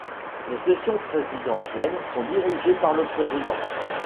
Les sessions présidentielles sont dirigées par le Président.